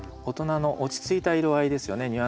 大人の落ち着いた色合いですよね。